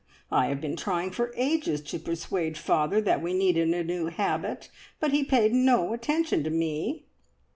I have been trying for ages to persuade father that we needed a new habit, but he paid no attention to me."